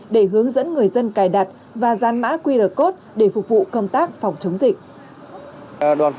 để hướng dẫn người dân cài đặt và dán mã qr code để phục vụ công tác phòng chống dịch